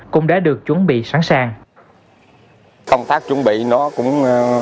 cũng đã được chuẩn bị sẵn sàng